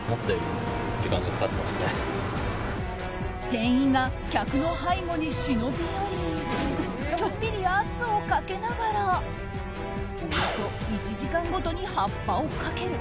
店員が客の背後に忍び寄りちょっぴり圧をかけながらおよそ１時間ごとに発破をかける。